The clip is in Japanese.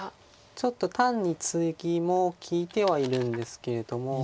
ちょっと単にツギも利いてはいるんですけれども。